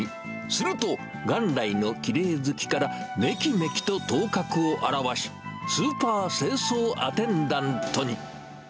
すると、元来のきれい好きからめきめきと頭角を現し、スーパー清掃アテンダントに。